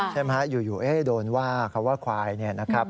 ใช่ไหมอยู่โดนว่าคำว่าควายนะครับ